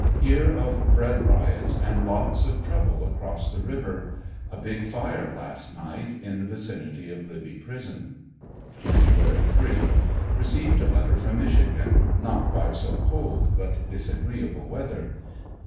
Hear of bread riots and lots of trouble across the river. A big fire last ^.aight in the vicinity of Libby Prison. Jan. 3. — Received a letter from Michigan Not quite so cold, but disagreeable weather.